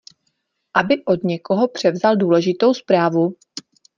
Aby od někoho převzal důležitou zprávu.